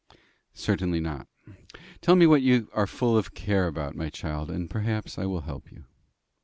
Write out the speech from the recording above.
"Certainly not. Tell me what you are full of care about, my child, and perhaps I can help you."